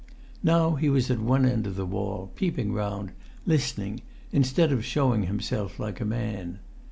Now he was at one end of the wall, peeping round, listening, instead of showing himself like a man.